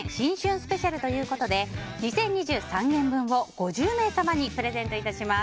スペシャルということで２０２３円分を５０名様にプレゼントいたします。